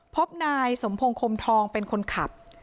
พบนายสมพงศ์คมทองเป็นคนขับ